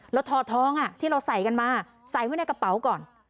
แล้วทอทองที่เราใส่กันมาใส่ไว้ในกระเป๋าก่อน